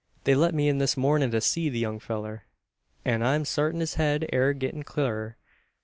They let me in this mornin' to see the young fellur; an I'm sartin his head air gettin' clurrer.